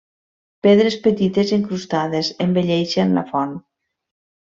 Pedres petites incrustades, embelleixen la font.